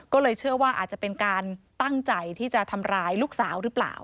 ก็เลยเชื่อว่าอาจจะเป็นการตั้งใจที่จะทำร้ายลูกสาวหรือเปล่า